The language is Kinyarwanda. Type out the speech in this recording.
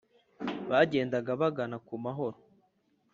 bagendaga bagana ku mahoro.